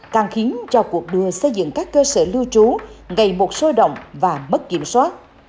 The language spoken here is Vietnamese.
càng khiến cho cuộc đua xây dựng các cơ sở lưu trú ngày một sôi động và mất kiểm soát